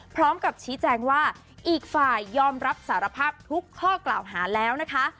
พร้อมกับชี้แจงว่าอีกฝ่ายยอมรับสารภาพทุกข้อกล่าวหาแล้วนะคะ